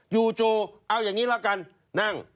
อยู่เอาอย่างนี้ละกันนั่ง